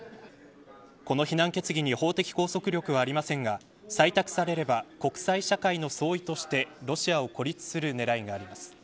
この非難決議に法的拘束力はありませんが採択されれば国際社会の総意としてロシアを孤立させる狙いがあります。